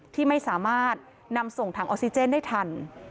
ที่ไม่สามารถนำส่งถังออกซิเจนได้ทัน